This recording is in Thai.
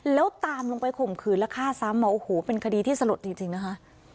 แล้วตามลงไปข่มขืนและฆ่าซ้ำโอ้โหเป็นคดีที่สลดจริงนะคะ